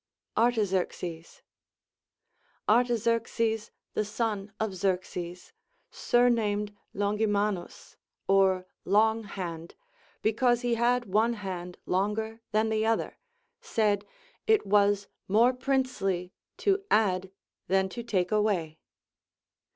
Artaxerxes. Artaxerxes, the son of Xerxes, surnamed Longimanus (or Long hand) because he had one hand longer than the other, said, it was more princely to add than to take away.